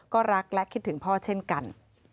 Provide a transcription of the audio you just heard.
ก็รักและคิดถึงพ่อเช่นกัน